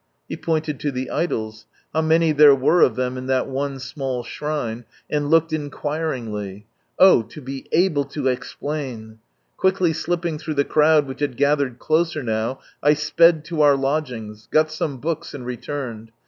He pointed to the idols — how many there were of them in that one small shrine — and looked in quiringly. Oh 1 to be able to explain. Quickly slipping through the crowd which had gathered closer now, I sped to our lodgings, got some books, and returned.